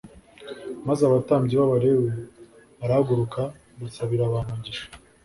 maze abatambyi b'abalewi barahaguruka basabira abantu umugisha